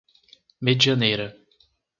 Medianeira